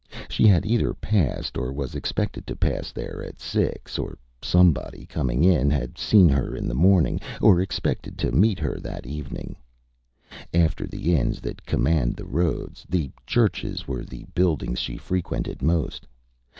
She had either passed, or was expected to pass there at six; or somebody, coming in, had seen her in the morning, or expected to meet her that evening. After the inns that command the roads, the churches were the buildings she frequented most.